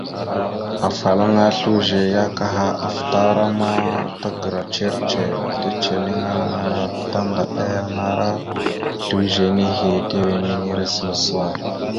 Afalaŋana slʉze ya kaha afətaràma tagəra ndzir ndzir ticeliŋalara tandaɗalalaŋara slʉze nehe tiweniŋire səla səla.